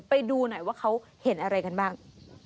ไปดูหน่อยว่าเขาเห็นอะไรกันบ้าง